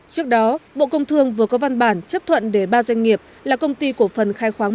trước đó bộ công thương vừa có văn bản chấp thuận để ba doanh nghiệp là công ty cổ phần khai khoáng